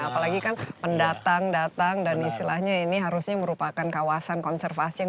apalagi kan pendatang datang dan istilahnya ini harusnya merupakan kawasan konservasi yang